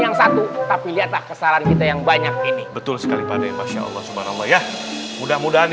yang satu tapi lihatlah kesalahan kita yang banyak ini betul sekali pada masya allah swt mudah mudahan